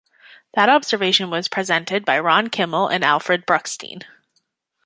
That observation was presented by Ron Kimmel and Alfred Bruckstein.